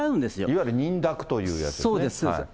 いわゆる認諾というやつですね。